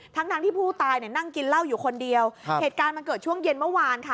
ทั้งทั้งที่ผู้ตายเนี่ยนั่งกินเหล้าอยู่คนเดียวเหตุการณ์มันเกิดช่วงเย็นเมื่อวานค่ะ